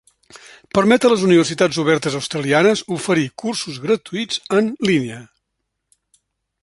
Permet a les universitats obertes Australianes oferir cursos gratuïts en línia.